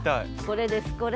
これです